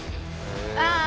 ああ！